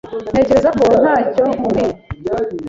Ntekereza ko ntacyo umbwiye.